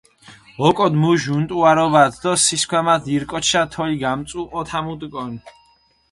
ოკოდჷ მუშ უნტუარობათ დო სისქვამათ ირკოჩშა თოლი გამწუჸოთამუდუკონ.